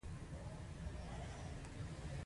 خزنده ګان په سینه حرکت کوي